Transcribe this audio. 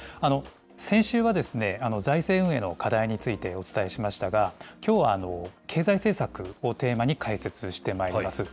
先週は財政運営の課題についてお伝えしましたが、きょうは経済政策をテーマに解説してまいります。